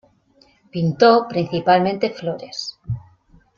Pintó principalmente flores.